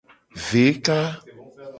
Veka.